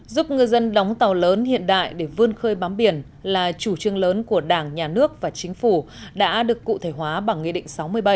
giúp ngư dân đóng tàu lớn hiện đại để vươn khơi bám biển là chủ trương lớn của đảng nhà nước và chính phủ đã được cụ thể hóa bằng nghị định sáu mươi bảy